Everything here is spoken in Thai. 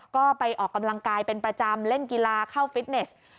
ก็ไปออกกำลังกายเป็นประจำเล่นกีฬาเข้าฟิตเนส